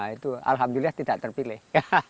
itu alhamdulillah tidak terpilih